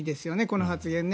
この発言も。